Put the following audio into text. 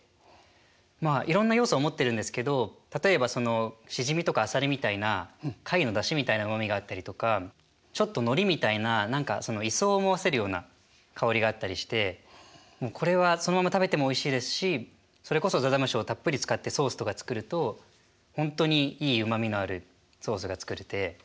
まあいろんな要素を持ってるんですけど例えばそのシジミとかアサリみたいな貝のだしみたいなうまみがあったりとかちょっとノリみたいな何かその磯を思わせるような香りがあったりしてもうこれはそのまま食べてもおいしいですしそれこそざざむしをたっぷり使ってソースとか作ると本当にいいうまみのあるソースが作れて。